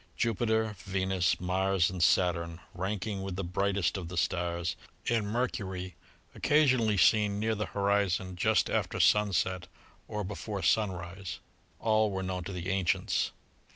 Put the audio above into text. Jupiter, Venus, Mars and Saturn, ranking with the brightest of the stars, and Mercury, occasionally seen near the horizon just after sunset or before sunrise, all were known to the ancients.